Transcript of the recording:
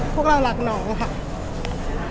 พวกเรารักน้องค่ะ